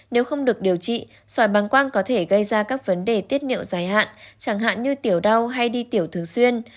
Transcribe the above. nếu không được điều trị sỏi băng quang có thể gây ra các vấn đề tiết niệm dài hạn chẳng hạn như tiểu đau hay đi tiểu thường xuyên